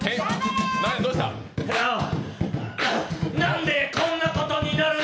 なんでこんなことになるの！